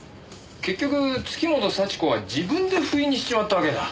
結局月本幸子は自分でふいにしちまったわけだ。